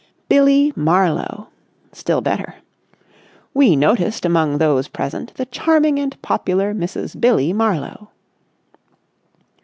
"Billie Marlowe." Still better. "We noticed among those present the charming and popular Mrs. 'Billie' Marlowe...."